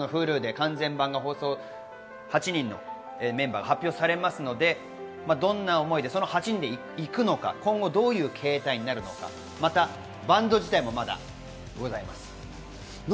今週末のＨｕｌｕで完全版が放送、８人のメンバーが発表されますのでどんな思いでその８人で行くのか、今後どういう形態になるのか、またバンド自体もまだございます。